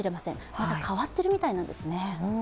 また変わっているみたいなんですね。